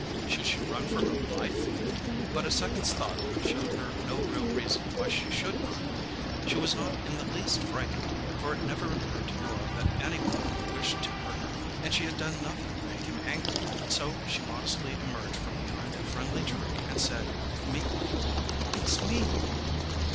Should she run for her life? But a second's thought showed her no real reason why she should run. She was not in the least frightened, for it never occurred to Norah that anyone could wish to hurt her; and she had done nothing to make him angry. So she modestly emerged from behind a friendly tree and said meekly, "It's me."